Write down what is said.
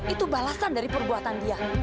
itu balasan dari perbuatan dia